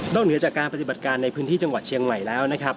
เหนือจากการปฏิบัติการในพื้นที่จังหวัดเชียงใหม่แล้วนะครับ